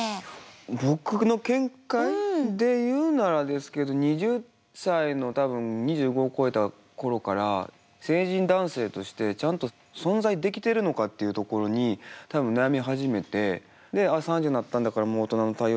僕の見解で言うならですけど２０歳の多分２５越えた頃から成人男性としてちゃんと存在できてるのかっていうところに多分悩み始めてで３０になったんだからもう大人の対応